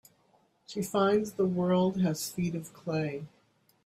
She finds the world has feet of clay.